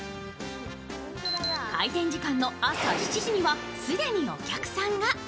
開店時間の朝７時には、既にお客さんが。